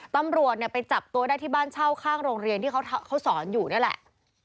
ตำรวจเนี่ยไปจับตัวได้ที่บ้านเช่าข้างโรงเรียนที่เขาสอนอยู่นี่แหละ